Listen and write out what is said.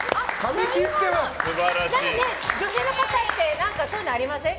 女性の方ってそういうのありません？